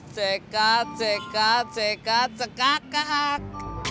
cekat cekat cekat cekakak